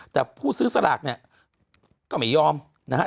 แต่ผู้ซื้อสลากเนี่ยก็ไม่ยอมนะฮะ